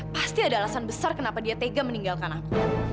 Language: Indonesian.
pasti ada alasan besar kenapa dia tega meninggalkan aku